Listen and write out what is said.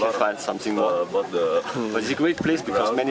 lalu kita lihat saya tidak tahu apa yang ada di sekitar ini